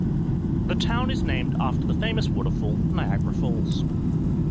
The town is named after the famous waterfall Niagara Falls.